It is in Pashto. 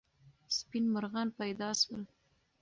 سپین مرغان پیدا سول.